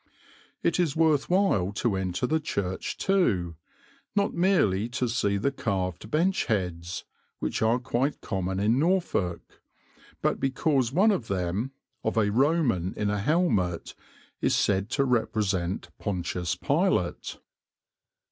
It is worth while to enter the church too, not merely to see the carved bench heads, which are quite common in Norfolk, but because one of them, of a Roman in a helmet, is said to represent Pontius Pilate.